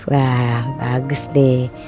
wah bagus nih